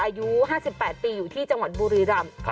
อายุ๕๘ปีอยู่ที่จังหวัดบุรีรำ